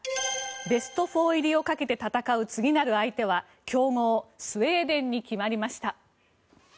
ベスト４入りをかけて戦う次の相手は強豪スウェーデンに決まりました。